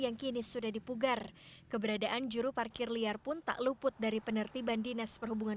yang kini sudah dipugar keberadaan juru parkir liar pun tak luput dari penertiban dinas perhubungan